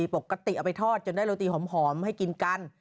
ปกติเอาไปทอดจนได้โรตีหอมให้กินกัน